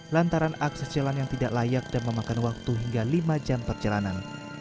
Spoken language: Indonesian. lantaran akses jalan yang tidak layak dan memakan waktu hingga lima jam perjalanan